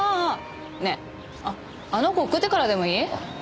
ねえあの子送ってからでもいい？